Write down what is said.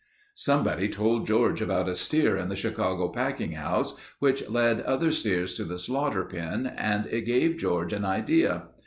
"Somebody told George about a steer in the Chicago packing house which led other steers to the slaughter pen and it gave George an idea.